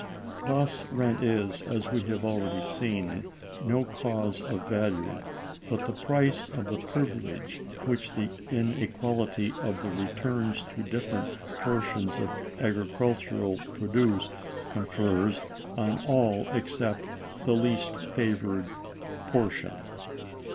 Thus rent is, as we have already seen, no cause of value, but the price of the privilege which the inequality of the returns to different portions of agricultural produce confers on all except the least favored portion.